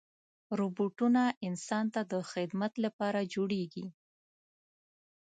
روبوټونه انسان ته د خدمت لپاره جوړېږي.